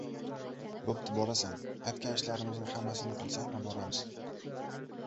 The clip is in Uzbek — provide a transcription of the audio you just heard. — Bo‘pti, borasan. Aytgan ishlarimizni hammasini qilsang, oboramiz.